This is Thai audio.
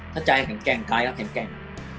ถ้าใจแข็งแกล้งกลายก็แข็งแกล้ง